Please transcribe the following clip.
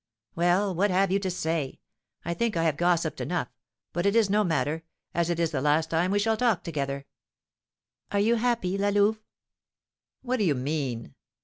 "Well, what have you to say? I think I have gossiped enough; but it is no matter, as it is the last time we shall talk together." "Are you happy, La Louve?" "What do you mean?"